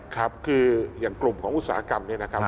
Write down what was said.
ครับคืออย่างกลุ่มของอุตสาหกรรมเนี่ยนะครับ